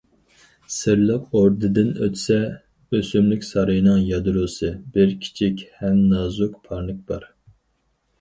سىرلىق ئوردىدىن ئۆتسە ئۆسۈملۈك سارىيىنىڭ يادروسى، بىر كىچىك ھەم نازۇك پارنىك بار.